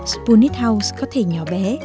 spoonit house có thể nhỏ bé